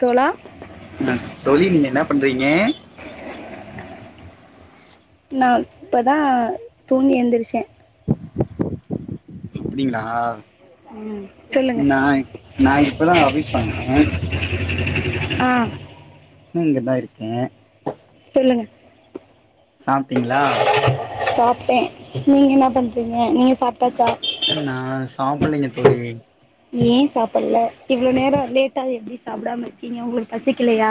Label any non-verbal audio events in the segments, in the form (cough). தோழா அ தோழி நீங்க என்னா பண்றீங்க நா இப்பதா தூங்கி எந்துருச்சே அப்டிங்களா ம் சொல்லுங்க நா நா இப்பதா ஆஃபீஸ் வந்தே ஆ இங்கதா இருக்கே சொல்லுங்க சாப்ட்டீங்களா சாப்ட்டே நீங்க என்னா பண்றீங்க நீங்க சாப்டாச்சா நா சாப்பல்லைங்க தோழி ஏ சாப்பல்ல இவ்ளோ நேரோ லேட்டாவுது எப்டி சாப்டாம இருக்கீங்க ஒங்களுக்கு பசிக்கலயா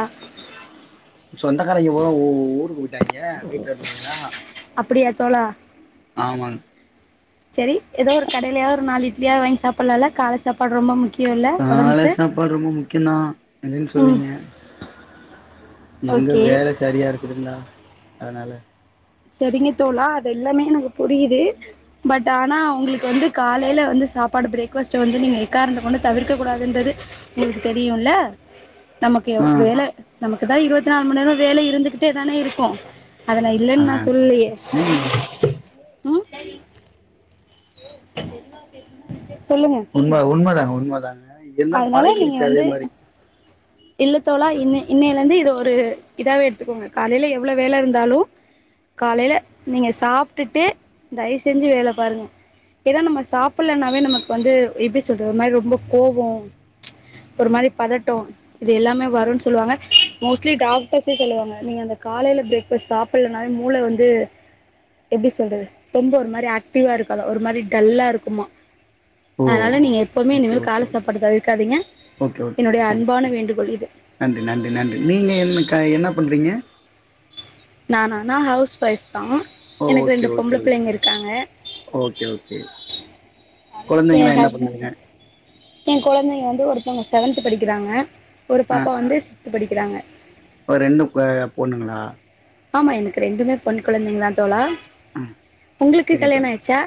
சொந்தக்காரைங்க பூறா ஊ ஊருக்கு போயிட்டாங்க வீட்ல இருந்தவைங்களா அப்படியாத்தோழா ஆமாங்க சேரி ஏதோ ஒரு கடைலயாது ஒரு நாலு இட்லியா வாங்கி சாப்பிடலாம்ல கால சாப்பாடு ரொம்ப முக்கியம் இல்லை கால உடம்புக்கு சாப்பாடு ரொம்ப முக்கியம்தா இல்லைன்னு ம் சொல்லீங்க எங்க ஓகே வேல சரியா இருக்குதுங்களா அதுனால சரிங்க தோழா அது எல்லாமே எனக்கு புரியுது பட் ஆனா அவங்களுக்கு வந்து காலைல வந்து சாப்பாடு பிரேக் பாஸ்ட் அ வந்து நீங்க எக்காரணத்த கொண்டு தவிர்க்க கூடாதுன்றது உங்களுக்கு தெரியுல நமக்கு ஆ வேல நமக்கு தா இருவத்து நாலு மணி நேரோ வேல இருந்துட்டே தானே இருக்கு அத நா இல்லன்னு நா சொல்லயே உ சொல்லுங்க உண்மதா உண்மதா எல்லா அதனால நீங்க பழகிருச்சி அதே வந்து மாரி இல்ல தோழா இன்ன இன்னையில இருந்து இது ஒரு இதாவே எடுத்துக்கோங்க காலைல எவ்ளோ வேல இருந்தாலு காலைல நீங்க சாப்பிட்டுட்டு தயவு செஞ்சு வேல பாருங்க ஏதா நம்ம சாப்டலனாவே நமக்கு வந்து எப்படி சொல்றது ஒரு மாதிரி ரொம்ப கோவோ ஒரு மாரி பதட்டோ இது எல்லாமே வருன்னு சொல்வாங்க மோஸ்ட்லி டாக்டர்ஸே சொல்லுவாங்க நீங்க அந்த காலையில பிரேக் பாஸ்ட் சாப் ள்ளனாலே மூள வந்து எப்டி சொல்றது ரொம்ப ஒரு மாரி ஆக்டிவா இருக்காதா ஒரு மாரி டல்லா இருக்குமா ஓ அதுனால நீங்க எப்பவுமே ஓகே இனிமேல் கால ஓகே ஓகே சாப்பாடு தவிர்காதீங்க ஓகே ஓகே என்னுடைய தேங்க்ஸ் அன்பான தேங்க்ஸ் வேண்டு புரியுது நன்றி நன்றி நன்றி நீங்க என் என்ன பண்றீங்க நானா நா ஹவுஸ் ஒய்ஃப் தா ஓ எனக்கு ஓகே ரெண்டு ஓகே பொம்பள ஓகே பிள்ளைங்க இருக்காங்க ஓகே ஓகே எ கொழந்தைங்கலா என்ன ஹஸ்பண்ட் பண்ணுதுங்க எ கொழந்தைங்க வந்து ஒருத்தவங்க செவன்த் படிக்கிறாங்க ஒரு ஆ பாப்பா வந்து பிபித் படிக்கிறாங்க ஒரு ரெண்டு பொண்ணுங்களா ஆமா எனக்கு ரெண்டுமே பொன் கொழந்தைங்கதா தோழா ஆ உங்களுக்கு செரிங்க கல்யானா தோழி ஆயிருச்சா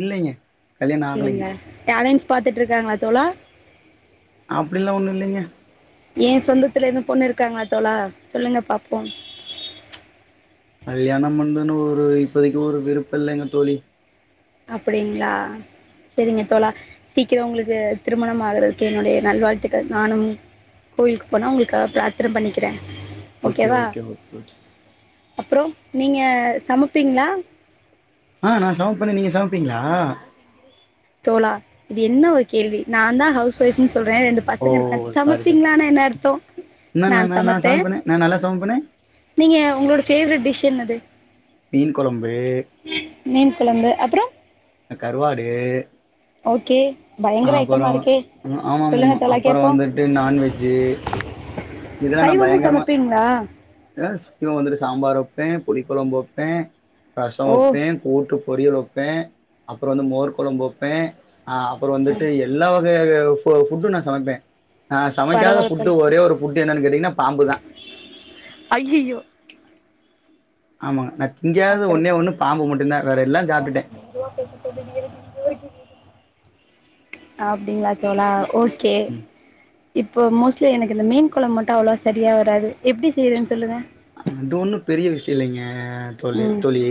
இல்லைங்க கல்யாண ஆகலைங்க இல்லைங்கள அலைன்ஸ் பாத்துட்டு இருக்காங்களா தோழா அப்படிலா ஒண்ணு இல்லைங்க ஏ சொந்தத்துல எது பொண்ணு இருக்காங்களா தோழா சொல்லுங்க பாப்போ கல்யானோ பண்ணனு ஒரு இப்போதைக்கு ஒரு விருப்போ இல்லைங்க தோழி அப்டிங்களா சேரிங்க தோழா சீக்கிரோ உங்களுக்கு திருமண ஆகுறதுக்கு என்னுடைய நல்வாழ்த்துக்கள் நானும் கோயிலுக்கு போனா உங்களுக்கா பிராத்தனை பண்ணிக்கிறே ஓகே ஓகே ஓகே அப்றோ நீங்க சமப்பீங்களா ஆ நா சமப்பனே நீங்க சமப்பீங்களா தோழா இது என்ன ஒரு கேள்வி நா தா ஹவுஸ் ஒய்ஃப்ன்னு சொல்றே ரெண்டு ஓ பசங்க இருக்கான் சாரி சாரி சமப்பீங்களானா என்ன அர்த்தோ என்ன நா சமப்பே சமைப்பனே நா நல்லா சமைப்பனே நீங்க உங்களோட பேவரெட் டிஷ் என்னது மீன் கொழம்பு மீன் குழம்பு அப்றோ அ கருவாடு ஓகே. அ பயங்கர அப்புறோ ஐட்டமாக இருக்கே அ ஆமாமாமா சொல்லுங்கள் தோழா அப்புறோ கேட்போம் வந்துட்டு நான்வெஜ்ஜு. இதெல்லா நா சைவமும் பயங்கரமா சமைப்பீங்களா அ (unintelligible) வந்துட்டு சாம்பார் வெப்பே புளி கொழம்பு வெப்பே ரசோ ஓ வெப்பே. கூட்டு பொரியல் வெப்பே அப்றோ வந்து மோர் கொழம்பு வெப்பே அ அப்றோ ம் வந்துட்டு எல்லா வகையா அய ஃபு ஃபுட்டு நா சமைப்பே. நா சமைக்காத பரவாயில்ல ஃபுட்டு ஒரே ஒரு ஃபுட்டு என்னனு கேட்டீங்கன்னா பாம்புதா. அய்யய்யோ. ஆமாங்க நா திங்காதது அப்படி ஒன்னே ஒன்னு பாம்பு மட்டுந்தா வேற எல்லாஞ் சாப்டுட்டே. (unintelligible) அப்டிங்ளா தோழா ஓ கே. இப்போ மோஸ்ட்லி எனக்கு இந்த மீன் கொழம் மட்டு அவ்ளோவா செரியா வராது எப்டி செய்றேன் சொல்லுங்க. அது ஒன்னு பெரிய விஷ்யோ இல்லைங்க தோழி ம் தோழி.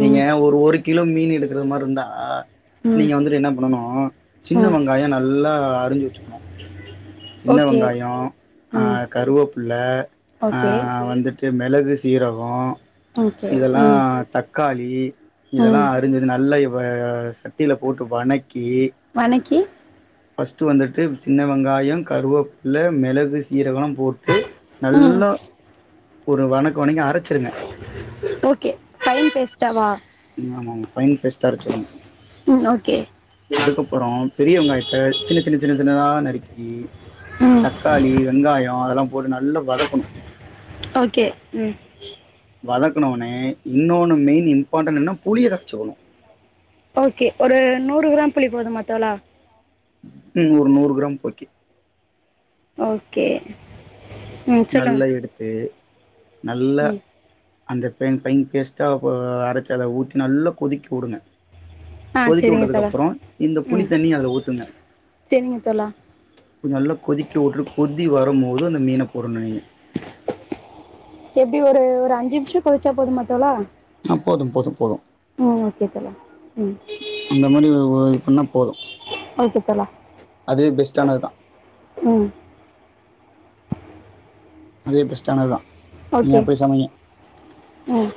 நீங்க ஒரு ஒரு கிலோ மீன் எடுக்கற மார்ருந்தா ம் நீங்க வந்துட்டு என்ன பண்ணனு சின்ன ம் வெங்காயோ நல்லா அரிஞ்சு வெச்சுக்குணு. ன்ன ஓகே வெங்காயோ அ ம் கருவப்புல்ல அ ஓகே ஆ வந்துட்டு மெளகு சீரகோ ஓகே இதெல்லா ம் த க்காளி இதெல்லா ம் அரிஞ்சத நல்லா இவ சட்டில போட்டு வணக்கி வணக்கி ஃபஸ்ட்டு வந்துட்டு சின்ன வெங்காயோ கருவப்புல்ல மெளகு சீரகோலா போட்டு ம் நல்லா ஒரு வணக்கு வணங்கி அரைச்சிருங்க. Okay fine பேஸ்டாவா? ம் ஆமாங்க ஃபைன் ஃபேஸ்டா அரச்சரணு. ம் ஓகே அதுக்கப் பறோ பெரிய வெங்காயத்த சின்ன சின்ன சின்ன சின்னதா நறுக்கி ம் தக்காளி வெங்காயோ அதெல்லாம் போட்டு நல்லா வதக்கணு. ஓகே ம். வதக்கணவொனே இன்னோன்னு மெயின் இம்பாட்டன் என்னா புளிய கரச்சுக்கணு. ஓகே ஒரு நூறு கிராம் புளி போதுமா தோழா? ம் ஒரு நூறு கிராம் போகே. ஓகே. ம் சொல்லுங்க நல்ல எடுத்து நல்ல ம் அந்த பென் பைன் பேஸ்ட்டா ப அரைச்சத ஊத்தி நல்லா கொதிக்க உடுங்க. ஆ கொதிக்க சரிங்க தோழா உட்டதுக்கப்புறோ இந்த புளி ம் தண்ணிய அதுல ஊத்துங்க. சரிங்க தோழா நல்லா கொதிக்க உட்டுடு கொதி வரும் போது அந்த மீன போடணு நீங்க. எப்டி ஒரு ஒரு அஞ்சு நிம்ஷோ கொதிச்சா போதுமா தோழா? ஆ போதும் போதும் போது. ம் ஓகே தோழா ம். அந்த மாரிவ் ஒ இது பண்ணா போது. ஓகே தோழா. அது பெஸ்ட்டானதுதா. ம். அதுவே பெஸ்டானதுதா நீங்க ஓகே அப்டே சமைங்க. ம்.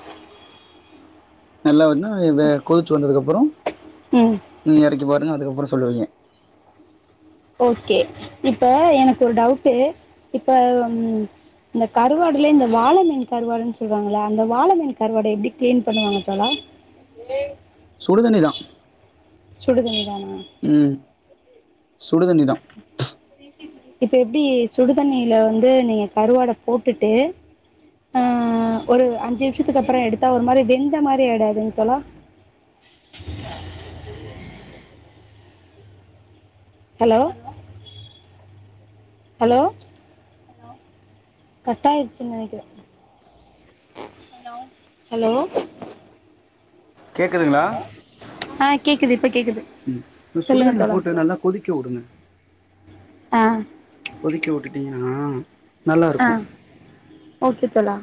நல்லா வர்னு இவ கொதிச்சு வந்ததுக்கப்றோ ம் நீங்க எறக்கி பாருங்க அதுக்கப்றோ சொல்லுவீங்க. ஓகே இப்ப எனக்கு ஒரு டவுட்டு இப்ப ம் இந்த கருவாடுலே இந்த வாழமீன் கருவாடுன்னு சொல்லுவாங்ள அந்த வாழமீன் கருவாட எப்டி கிளீன் பண்ணுவாங்க தோழா (unintelligible) சுடு தண்ணி தா சுடு தண்ணி தானா ம் சுடு தண்ணி தா இப்ப எப்டி சுடு தண்ணில வந்து நீங்க கருவாட போட்டுட்டு ஆ ஒரு அஞ்சு நிமிஷத்துக்கு அப்றோ எடுத்தா ஒரு மாரி வெந்த மாதிரி ஆயிடாதுங் தோழா ஹலோ ஹலோ கட் ஆயிருச்சுனு நெனைக்கிறே ஹலோ ஹலோ கேக்குதுங்ளா ஆ கேட்குது இப்போ கேட்குது ம் சுடு சொல்லுங்கள் தண்ணில தோழா போட்டு நல்லா கொதிக்க உடுங்க ஆ கொதிக்க விட்டுட்டீங்கன்னா ஆ ஓகே தோழா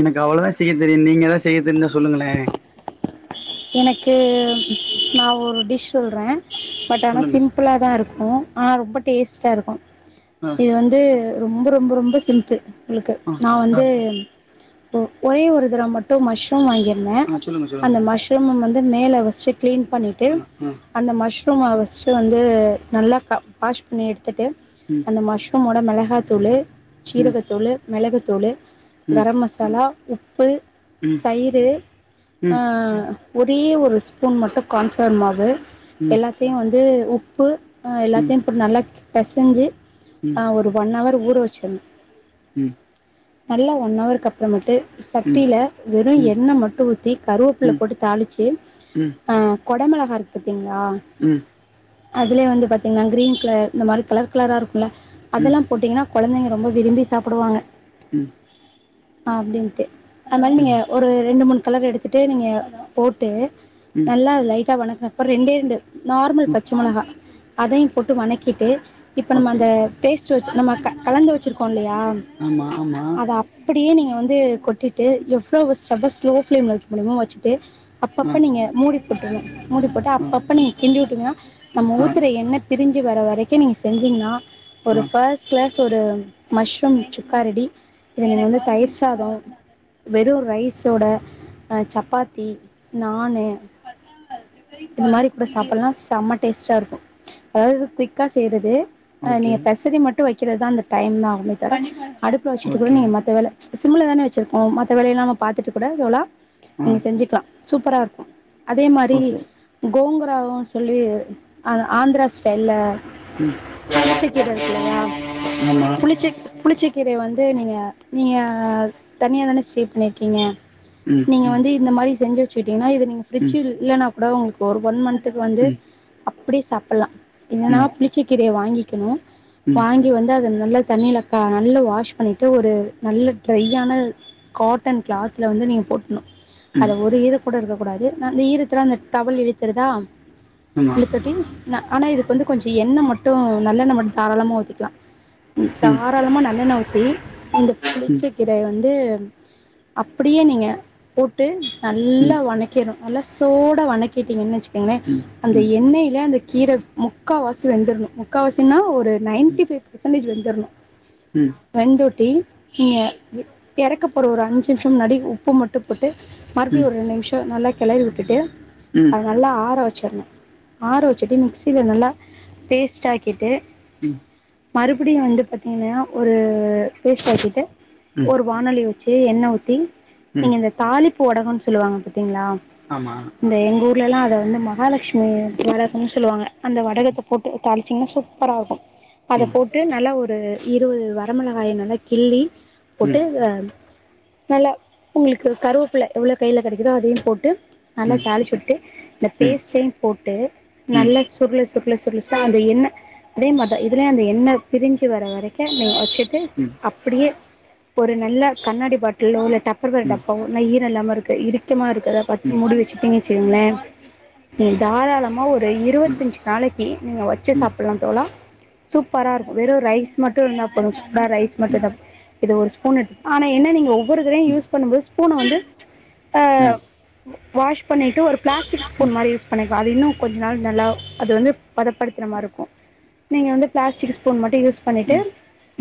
எனக்கு அவ்ளோதா செய்ய தெரில நீங்க எதா செய்ய தெரிஞ்சா சொல்லுங்களே எனக்கு நா ஒரு டிஷ் சொல்றே பட் ஆனா சொல்லுங்க சிம்பிளா தா இருக்கு ஆ ரொம்ப டேஸ்ட்டா இருக்கு ஆ இது வந்து ரொம்ப ரொம்ப ரொம்ப சிம்பிள் உங்ளுக்கு ஆ நா ஆ வந்து ஒ ஒரே ஒரு தடவ மட்டு மஷ்ரூம் வாங்கிருந்தே ஆ சொல்லுங்க சொல்லுங்க அந்த மஷ் ரூம வந்து மேல வச்சு க்ளீன் பண்ணிட்டு ஆ ஆ அந்த மஷ்ரூம ஃபஸ்ட்டு வந்து நல்லா க வாஷ் பண்ணி எடுத்துட்டு ம் அந்த மஷ்ரூமோட மெளகாத்தூளு ம் சீரகத்தூளு மெளகுத்தூளு ம் கரம்மசாலா உப்பு ம் தயிரு ம் ஆ ம் ம் ஒரே ஒரு ஸ்பூன் மட்டு கான்ஃப்ளார் மாவு ம் எல்லாத்தையு வந்து உப்பு ஆ ம் ம் எல்லாத்தையு போட் நல்லா பெசஞ்சு ம் ஆ ஒரு ஒன் அவர் ஊற வச்சிர்னு ம் நல்லா ஒன் அவருக்கு அப்றமேட்டு சட்டில வெறு ம் எண்ண மட்டு ஊத்தி கருவேப்புல்ல போட்டு தாளிச்சு ம் அ கொட மொளகா இருக்கு பாத்தீங்களா ம் அதுலயே வந்து பாத்தீங்னா க்ரீன் கலர் இந்த மாரி கலர் கலரா இருக்குல ம் அதெல்லா போட்டிங்னா கொழந்தைங்க ரொம்ப விரும்பி சாப்டுவாங்க ம் அப்டின்ட்டு அது மாரி ம் நீங்க ஒரு ரெண்டு மூணு கலர் எடுத்துட்டு நீங்க போட்டு ம் நல்லா அது லைட்டா வணக்க அப்றோ ரெண்டே ரெண்டு நார்மல் ம் பச்ச மொளகா அதயு போட்டு வணக்கிட்டு இப்ப நம்ம ஓகே அந்த பேஸ்ட்டு வச்சு நம்ம க கலந்து வச்சுருக்கோ இல்லயா ஆமா ஆமா அப்டியே நீங்க வந்து கொட்டிட்டு எவ்ளோ ஸ்டவ்வ ஸ்லோ ஃபிளேம்ல வைக்க முடிமோ வச்சுட்டு ஆ அப்பப்ப நீங்க மூடி போட்டர்னு மூடி போட்டு ஆ அப்பப்ப நீங்க கிண்டி விட்டிங்னா நம்ம ஆ ஊத்துற எண்ண பிரிஞ் சு வர வரைக்கு நீங்க செஞ்சீங்னா ஆ ஒரு ஃபஸ் க்ளாஸ் ஒரு மஷ்ரூம் சுக்கா ரெடி இது நீங்க வந்து தயிர் சாதோ வெறு ரைஸோட அ சப்பாத்தி நானு இந்த மாரி இப்ப சாப்பலா செம்ம டேஸ்ட்டா இருக்கு அதாவது குயிக்கா செய்றது அ ஓகே நீங்க பெசறி மட்டு வைக்கறது தா அந்த டைம் தா ஆகுமே த அடுப்புல வச்சுட்டு கூட ஓகே நீங்க மத்த வேல சிம்ல தான வச்சிருக்கோ மத்த வேலயல்லாம பாத்துட்டு கூட இதுலா ஆ நீங்க செஞ்சிக்கலா சூப்பரா இருக்கு அதே மாரி ஓகே கோங்கராவு சொல்லி அத ஆந்திரா ஸ்டைல்ல ம் புளிச்சகீர இருக்கு இல்லயா ஆமா புளிச்ச புளிச்ச கீரய வந்து நீங்க நீங்க தனியா தான ஸ்டே பண்ணிருக்கீங்க ம் நீங்க வந்து இந்த மாரி செஞ்சி வச்சுகிட்டீங்கன்னா இது நீங்க பிரிட்ஜ் ம் இல்லன்னா கூட உங்களுக்கு ஒரு ஒன் மந்த்க்கு வந்து அப்டியே சாப்லா என்னன்னா ம் புளிச்ச கீரைய வாங்கிக்கணு ம் வாங்கி வந்து அத நல்ல தண்ணியிலக்கா நல்ல வாஷ் பண்ணிட்டு ஒரு நல்ல டிரையான காட்டன் கிளாத்ல வந்து நீங்க போட்ணு அதுல ஒரு ஈர கூட இருக்க கூடாது ந அந்த ஈரத்துல அந்த டவல் இழுத்துருதா ம் ஆமா ம் இழுத்தட்டி ந ஆனா இதுக்கு வந்து கொஞ்சோ எண்ணெ மட்டு நல்லெண்ண மட்டு தாராளமா ஊத்திக்கலா ம் தாராளமா நல்லெண்ணெ ஊத்தி அந்த ம் புளிச்ச கீரய வந்து அப்டியே நீங்க போட்டு நல்லா ம் ம் வணக்கணு நல்லா சூடா வணக்கிட்டீங்கன்னு வச்சுக்கோங்களே ம் ம் ம் அந்த ம் எண்ணெய்ல அந்த கீர முக்காவாசி வெந்துர்ணு முக்காவாசின்னா ஒரு நைன்டி ஃபைவ் பர்சன்டேஜ் வெந்துர்ணு ம் வெந்தோட்டி நீங்க எறக்க போற ஒரு அஞ்சு நிமிஷோ முன்னாடி உப்பு மட்டு போட்டு மறுபடியு ஒரு ம் ரெண்டுநிமிஷோ நல்லா கெளறி விட்டுட்டு ம் அத நல்லா ஆற வச்சரணு ஆற வச்சுட்டு மிக்சில நல்லா பேஸ்ட் ஆக்கிட்டு ம் மறுபிடியு வந்து பாத்தீங்கன்னா ஒரு பேஸ்ட் ஆக்கிட்டு ம் ஒரு வாணெலி வச்சு எண்ணெ ஊத்தி நீங்க ம் இந்த தாளிப்பு வடகன்னு சொல்லுவாங்க பாத்தீங்களா ஆமா அத எங்க ஊர்லல்லா அத வந்து மகாலட்சுமி வடகம்னு சொல்லுவாங்க அந்த வடகத்த போட்டு தாளி ச்சிங்கன்னா சூப்பரா இருக்கு ம் அத ம் ம் ம் போட்டு நல்ல ஒரு இருவது வரமெளகாய நல்லா கிள்ளி ம் ம் ம் ம் ம் ம் போட்டு ம் ஆ நல்லா உங்களுக்கு கருவேப்பில எவ்ளோ கையில கிடைக்குதோ அதயு போட்டு நல்லா தாளிச்சி விட்டு இந்த ம் ம் பேஸ்டையு போட்டு ம் நல்ல சு ருள சுருள சுருள சுருளா அந்த எண்ணெ அதே மாரிதா இதுலயு அந்த எண்ணெ பிரிஞ்சி வர்ற வரக்கு நீ ஓ செக் கிலேஸ் அப்டியே ஒரு நல்ல கண்ணாடி பாட்டிலோ இல்ல டப்பர் வேர் ம் டப்பாவோ நல்லா ஈரோ இல்லாம இருக்க இரிக்கமா இருக்கத பாத்து மூடி வச்சிட்டீங்கன்னு வச்சிகோங்களே பீங்கிச்சுக்கங்களேன் ம் தாராளமா ஒரு இருவதஞ்சி நாளைக்கி நீங்க வச்சி சாப்லா தோழா சூப்பரா இருக்கு வெறு ரைஸ் மட்டு இருந்தா போது சூடா ரைஸ் மட்டுதா இத ஒரு ஸ்பூன் எடுத்து ஆனா என்ன நீங்க ஒவ்வொரு தரையு யூஸ் பண்ணும் போது ஸ்பூன வந்து ஆ வாஷ் பண்ணிட்டு ஒரு பிளாஸ்டிக் ஸ்பூன் மாரி யூஸ் பண்ணிக்கோ அது இன்னு கொஞ்ச நாள் நல்லா அது வந்து பதப்படுத்துன மாரிருக்கு நீங்க வந்து பிளாஸ்டிக் ஸ்பூன் மட்டு யூஸ் பண்ணிட்டு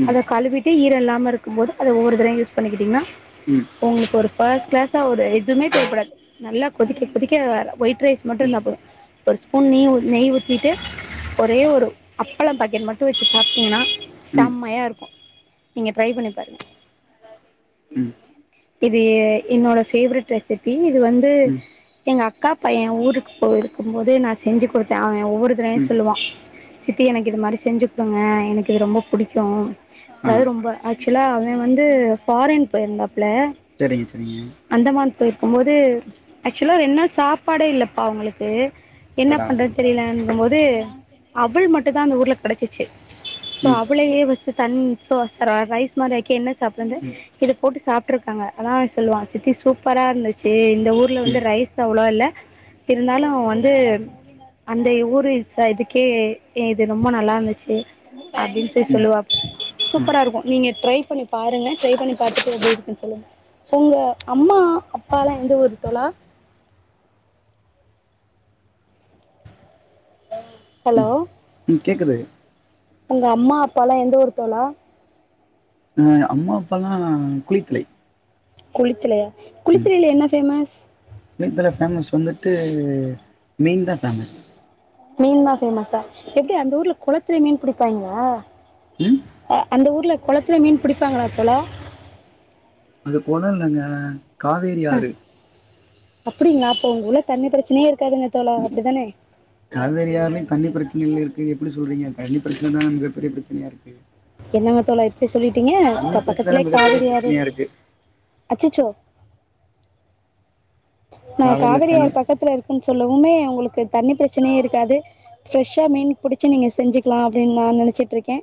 அத கழுவிட்டு ஈர இல்லாம இருக்கு போது அத ஒவ்வொரு தரையு யூஸ் பண்ணிகிட்டீங்கன்னா உங்களுக்கு ஒரு ஃபர்ஸ்ட் கிளாஸ்ஸா ஒரு எதுமே தேவப்படாது நல்லா கொதிக்க கொதிக்க ஒயிட் ரைஸ் மட்டு இருந்தா போது ஒரு ஸ்பூன் நெய்வு நெய் ஊத்திட்டு ஒரே ஒரு அப்பளம் பாக்கெட் மட்டு வச்சி சாப்ட்டீங்கன்னா ம் செம்மையா இருக்கு நீங்க ட்ரை பண்ணி பாருங்க ம் ம் இது ஏ என்னோட ஃபேவரெட் ரெசிபி இது வந்து ம் எங்க அக்கா பையன் ஊருக்கு போய்ருக்கும்போது நா செஞ்சி குடுத்த அவன் ஒவ்வொரு தரவயு ம் சொல்லுவான் சித்தி எனக்கு இது மாரி செஞ்சு குடுங்க எனக்கு இது ரொம்ப புடிக்கு ஆ அதாவது ரொம்ப ஆக்சுவலா அவன் வந்து ஃபாரின் போயிருந்தாப்புல சேரிங் சேரிங்க அந்தமான் போயிருக்கும்போது ஆக்சுவலா ரெண் நாள் சாப்பாடே இல்லப்பா அவுங்ளுக்கு என்ன அடடா பண்றது ம் தெரியலன்னும்போது அவுள் மட்டுந்தா அந்த ஊர்ல கெடச்சிச்சு ஸோ ம் அவுளயே வெச்சு தண் சோ ச ரைஸ் மாரி ஆக்கி என்ன சாப்லான்டு ம் இத போட்டு சா ருக்காங்க அதா சொல்லுவான் சித்தி சூப்பரா இருந்துச்சு இந்த ஊர்ல வந்து ரைஸ் அவ்ளவா இல்ல இருந்தாலு வந்து அந்த ஊரு ச இதுக்கே இது ரொம்ப நல்லா இருந்துச்சு அப்டின்ச்சே ம் சொல்லுவாப் ம் சூப்பரா இருக்கு நீங்க ட்ரை பண்ணி பாருங்க ட்ரை பண்ணி பாத்துட்டு எப்டி இருக்குனு சொல்லுங்க உங்க அம்மா அப்பால்லா எந்த ஊரு தோழா ஹலோ ம் ம் கேக்குது உங்க அம்மா அப்பால்லா எந்த ஊரு தோழா அ அம்மா அப்பால்லா குளித்தலை குளித்தலையா குளித்தலைல என்ன ஃபேமஸ்? குளித்தலைல ஃபேமஸ் வந்துட்டு மீன்தா ஃபேமஸ் மீன்தா ஃபேமஸா எப்டி அந்த ஊர்ல குளத்துலயே மீன் புடிப்பாயிங்ளா ம் அ அந்த ஊர்ல குளத்துலயே மீன் புடிப்பாங்ளா தோழா அது கொளொ இல்லங்க காவேரி ஆறு அப்டிங்ளா அப்ப உங்க ஊர்ல தண்ணி பிரச்சனையே இருக்காதுங்க தோழா அப்டிதானே காவேரி ஆறுலயு தண்ணி பிரச்சன இல்ல இருக்கு எப்டி சொல்றீங்க தண்ணி ப்ரச்சனதா மிகப்பெரிய ப்ரச்சனயா இருக்கு என்னங்க தோழா இப்டி சொல்லிட்டீங்க தண்ணி பிரச்சன தா பக்கத்திலே மிகப்பெரிய காவிரி ஆறு பிரச்சனையா இருக்கு அச்சச்சோ நா காவேரில காவிரி ஆறு தண்ணி பக்கத்துல இருக்குன்னு சொல்லவுமே உங்களுக்கு தண்ணி ப்ரச்சனையே இருக்காது ஃப்ரெஷா மீன் புடிச்சு நீங்க செஞ்சிக்லா அப்டின் நா நெனச்சுட்ருக்கே